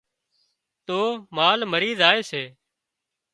تو مال مرِي زائي سي